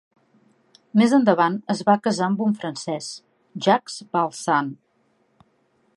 Més endavant es va a casar amb un francès, Jacques Balsan.